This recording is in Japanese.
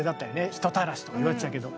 人たらしとか言われてたけど。